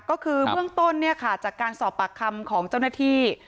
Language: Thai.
ก็คือเบื้องต้นเนี่ยค่ะจากการสอบปากคำของเจ้าหน้าที่